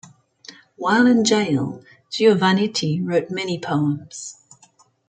While in jail, Giovannitti wrote many poems.